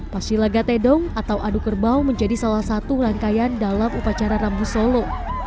pasilaga tedong atau adu kerbau menjadi salah satu rangkaian dalam upacara rambu solo